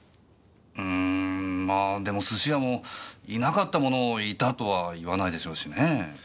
うーんまあでも寿司屋もいなかったものをいたとは言わないでしょうしねぇ。